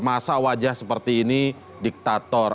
masa wajah seperti ini diktator